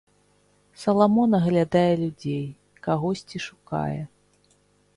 Саламон аглядае людзей, кагосьці шукае.